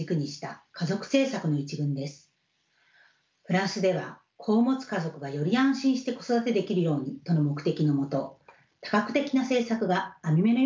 フランスでは「子を持つ家族がより安心して子育てできるように」との目的のもと多角的な政策が網目のように組まれています。